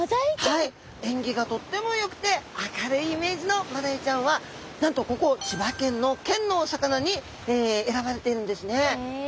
縁起がとってもよくて明るいイメージのマダイちゃんはなんとここ千葉県の県のお魚に選ばれているんですね。